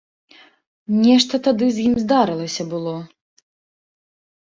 Нешта тады з ім здарылася было.